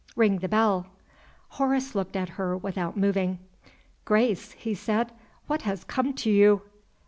Ring the bell." Horace looked at her without moving. "Grace," he said, "what has come to you?"